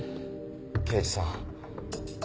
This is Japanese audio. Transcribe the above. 刑事さん